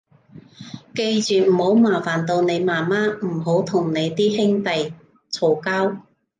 記住唔好麻煩到你媽媽，唔好同你啲兄弟嘈交